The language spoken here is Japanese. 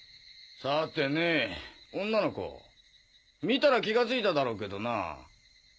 さてねぇ女の子見たら気がついただろうけどなぁ。